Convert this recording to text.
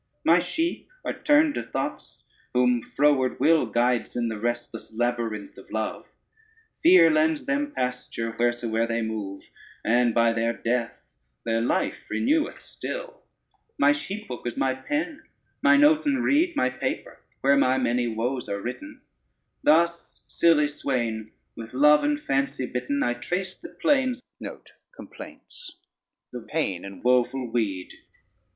My sheep are turned to thoughts, whom froward will Guides in the restless labyrinth of love; Fear lends them pasture wheresoe'er they move, And by their death their life reneweth still. My sheephook is my pen, mine oaten reed My paper, where my many woes are written. Thus silly swain, with love and fancy bitten, I trace the plains of pain in woeful weed.